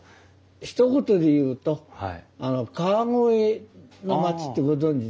ひと言でいうと川越の町ってご存じですか？